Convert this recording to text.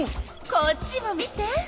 こっちも見て！